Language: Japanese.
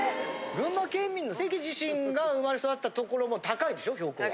群馬県民の関自身が生まれ育った所も高いんでしょ標高は。